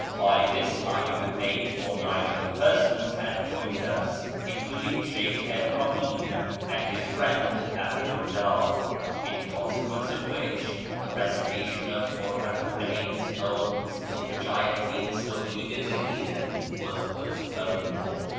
• By this time eight or nine other persons had joined us, in cluding Sheykh Ibrahim and his friend 'Abdu 'llah, in conse quence of which the recitation of Kurratu 'l 'Ayn's poems, Avhich I had been so eager to hear, was postponed.